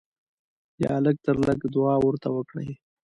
یا لږ تر لږه دعا ورته وکړئ.